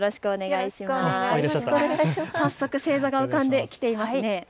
早速、星座が浮かんできています。